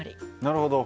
なるほど。